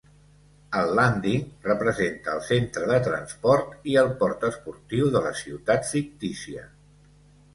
El "Landing" representa el centre de transport i el port esportiu de la ciutat fictícia.